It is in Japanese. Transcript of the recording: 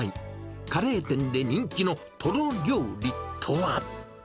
カレー店で人気のトロ料理とは？